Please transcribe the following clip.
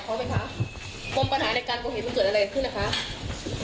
เรารู้จักกับเขาไหมคะบรมปัญหาในการก่อเหตุมันเกิดอะไรขึ้นนะฮะ